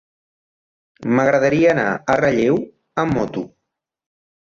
M'agradaria anar a Relleu amb moto.